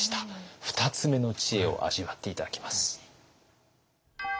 ２つ目の知恵を味わって頂きます。